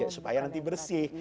supaya nanti bersih